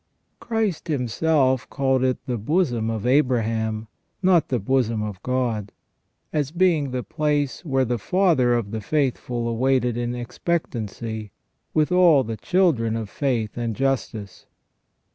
Christ Himself called it the bosom of Abraham, not the bosom of God, as being the place where the father of the faithful awaited in expectancy, with all the children of faith and justice.